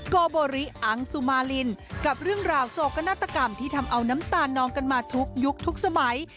โกโบริอังสุมารินกับเรื่องราวโศกนาฏกรรมที่ทำเอาน้ำตาลนองกันมาทุกยุคทุกสมัย